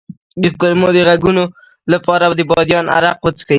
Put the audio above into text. د کولمو د غږونو لپاره د بادیان عرق وڅښئ